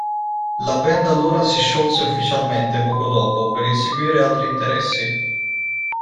La band allora si scioglie ufficialmente poco dopo per inseguire altri interessi.